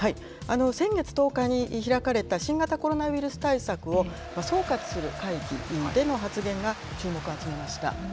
先月１０日に開かれた新型コロナウイルス対策を総括する会議での発言が、注目を集めました。